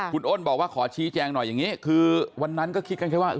คุณอ้นบอกว่าขอชี้แจงหน่อยอย่างนี้คือวันนั้นก็คิดกันแค่ว่า